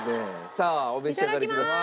さあお召し上がりください。